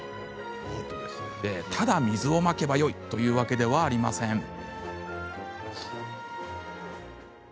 ただ水をまけばよいというわけではありません。